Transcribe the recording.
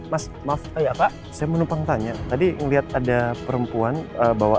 mas maaf eh pak saya menumpang tanya tadi ngeliat ada perempuan bawa